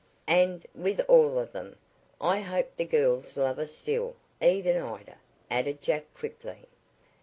"And, with all of them, I hope the girls love us still even Ida," added Jack quickly.